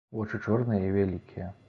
Вочы чорныя і вялікія.